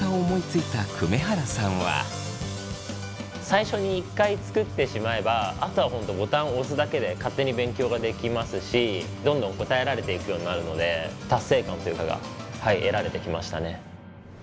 最初に１回作ってしまえばあとはボタンを押すだけで勝手に勉強ができますしどんどん答えられていくようになるので達成感が得られてきましたね。